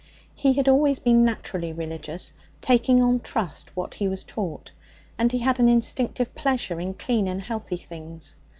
He had always been naturally religious, taking on trust what he was taught; and he had an instinctive pleasure in clean and healthy things.